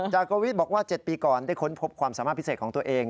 จากกวิทย์บอกว่า๗ปีก่อนได้ค้นพบความสามารถพิเศษของตัวเอง